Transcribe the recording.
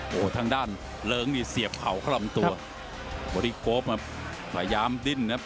โอ้โหทางด้านเริงนี่เสียบเข่าเข้าลำตัวบริโป๊ปมาพยายามดิ้นนะครับ